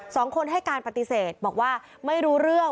สองคนให้การปฏิเสธบอกว่าไม่รู้เรื่อง